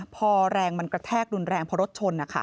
พอแรงมันกระแทกรุนแรงเพราะรถชน